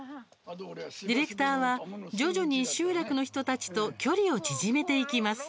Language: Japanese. ディレクターは徐々に集落の人たちと距離を縮めていきます。